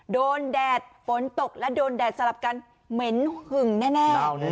แดดฝนตกและโดนแดดสลับกันเหม็นหึงแน่